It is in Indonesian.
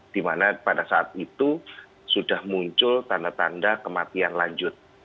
di mana pada saat itu sudah muncul tanda tanda kematian lanjut